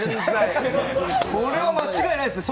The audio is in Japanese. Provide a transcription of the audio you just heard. これは間違いないです。